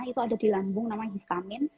itu ada di lambung namanya hiskamin